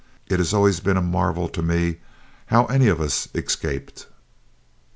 It has always been a marvel to me how any of us escaped."